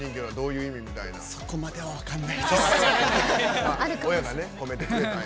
そこまでは分からないです。